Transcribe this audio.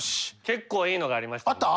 結構いいのがありました。